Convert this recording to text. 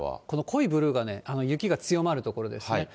この濃いブルーが雪が強まる所ですね。